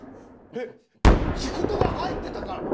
えシフトが入ってたから！？